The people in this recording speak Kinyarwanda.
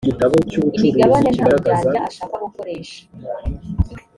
imigabane nta buryarya ashaka gukoresha